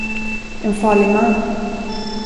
En farlig man.